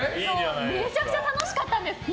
めちゃめちゃ楽しかったんです。